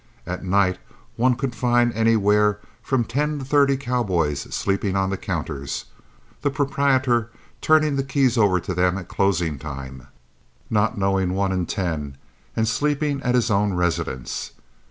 At night one could find anywhere from ten to thirty cowboys sleeping on the counters, the proprietor turning the keys over to them at closing time, not knowing one in ten, and sleeping at his own residence.